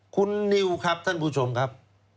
คุณนิวครับท่านผู้ชมครับ